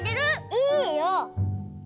いいよ！